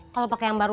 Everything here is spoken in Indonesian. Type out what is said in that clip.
kalau pakai yang baru